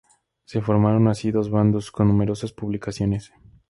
Se formaron así dos bandos, con numerosas publicaciones.